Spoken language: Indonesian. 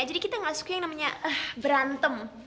jadi kita nggak suka yang namanya berantem